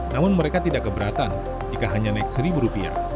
namun mereka tidak keberatan jika hanya naik rp satu